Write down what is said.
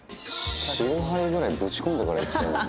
４５杯ぐらいぶち込んでからいきたいのに。